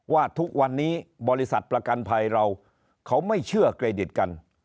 ว่าทุกวันนี้บริษัทประกันภัยเราเขาไม่เชื่อเครดิตกัน